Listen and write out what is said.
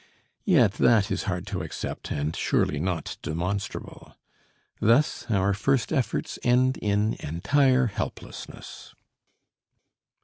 Yet that is hard to accept and surely not demonstrable. Thus our first efforts end in entire helplessness.